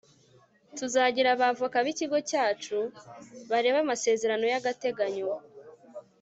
tuzagira abavoka b'ikigo cyacu bareba amasezerano y'agateganyo